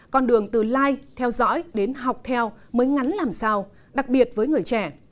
con đường từ like theo dõi đến học theo mới ngắn làm sao đặc biệt với người trẻ